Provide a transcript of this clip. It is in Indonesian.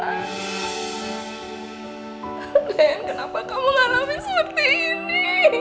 ban kenapa kamu ngalamin seperti ini